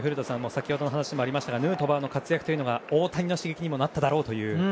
先ほどの話にもありましたがヌートバーの活躍が大谷の刺激にもなっただろうと。